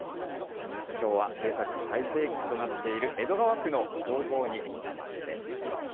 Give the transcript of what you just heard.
きょうは制作最盛期となっている江戸川区の工房にお邪魔しています。